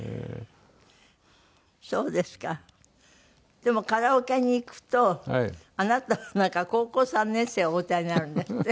でもカラオケに行くとあなたはなんか『高校三年生』をお歌いになるんですって？